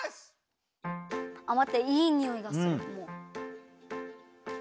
あっまっていいにおいがするもう。